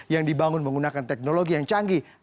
yang dibangun menggunakan teknologi yang canggih